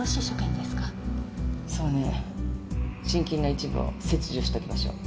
そうね心筋の一部を切除しておきましょう。